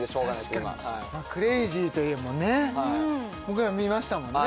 今確かにクレージーというねっ僕ら見ましたもんね